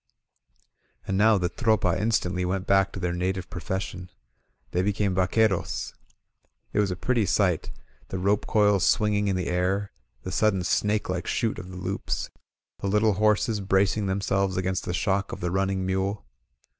And now the Tropa instantly went back to their native profession — they became vaqueros. It was a pretty sight, the rope coils swinging in the air, the sudden snake like shoot of the loops, the little horses bracing themselves against the shock of the running mule.